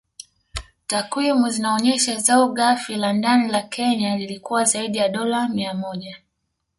Takwimu zinaonesha zao Ghafi la Ndani la Kenya lilikuwa zaidi ya dola mia moja